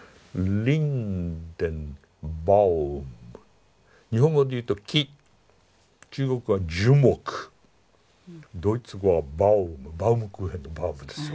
リンデンバウム日本語で言うと木中国語は樹木ドイツ語はバウムバウムクーヘンのバウムですよ